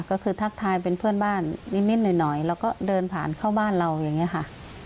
ก็คือทักทายเป็นเพื่อนบ้านนิดหน่อยแล้วก็เดินผ่านเข้าบ้านเราอย่างนี้ค่ะ